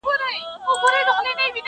نور څه نسته هغه سپی دی او دی خر دی؛